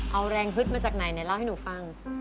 เอาแรงฮึดมาจากไหนเนี่ยเล่าให้หนูฟัง